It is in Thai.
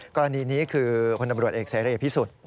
กรณีนี้คือพลตำรวจเอกเสรีพิสุทธิ์